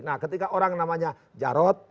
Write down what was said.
nah ketika orang namanya jarod